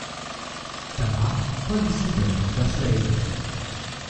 Danach verließ die Band das Label.